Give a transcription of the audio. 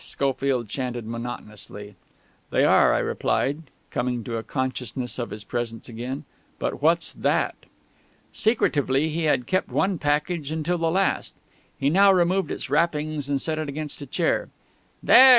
Schofield chanted monotonously. "They are," I replied, coming to a consciousness of his presence again. "But what's that?" Secretively he had kept one package until the last. He now removed its wrappings and set it against a chair. _"There!"